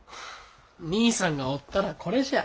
兄さんがおったらこれじゃあ。